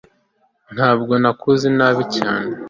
ntabwo nakoze nabi cyane